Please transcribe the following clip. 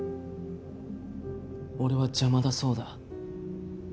俺は邪魔だそうだ。